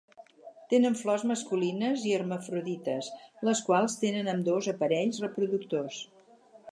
Tenen flors masculines i hermafrodites, les quals tenen ambdós aparells reproductors.